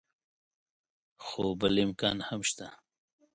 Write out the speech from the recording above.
خو بل امکان هم شته.